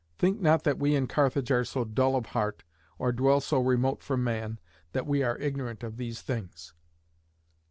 Think not that we in Carthage are so dull of heart, or dwell so remote from man, that we are ignorant of these things.